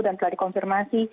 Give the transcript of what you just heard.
dan telah dikonfirmasi